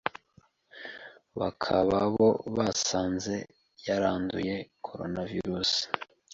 bakaba bo basanze yaranduye Coronavirus.